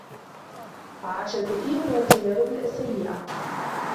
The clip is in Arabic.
عاش الكثير من التجارب السيئة.